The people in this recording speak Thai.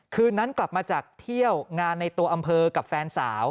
คืนนั้นกลับมาจากเที่ยวงานในตัวอำเภอกับแฟนสาว